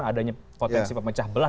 adanya potensi mecah belah